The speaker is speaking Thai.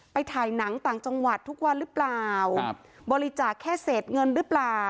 ถ่ายหนังต่างจังหวัดทุกวันหรือเปล่าครับบริจาคแค่เศษเงินหรือเปล่า